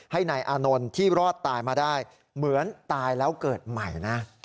ให้นายอานนท์ที่รอดตายมาได้เหมือนตายแล้วเกิดใหม่นะ